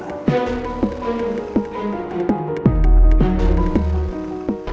terima kasih banyak bureva